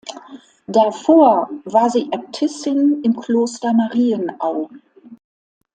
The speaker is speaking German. Davor war sie Äbtissin im Kloster Marienau.